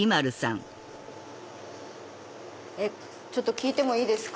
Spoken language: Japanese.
ちょっと聞いてもいいですか？